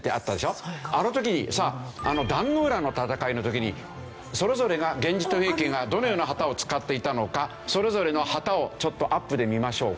あの時に壇ノ浦の戦いの時にそれぞれが源氏と平家がどのような旗を使っていたのかそれぞれの旗をちょっとアップで見ましょうか。